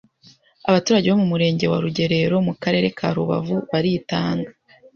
Abaturage bo mu Murenge wa Rugerero mu Karere ka Rubavu baritanga